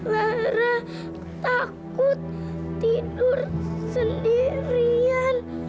lara takut tidur sendirian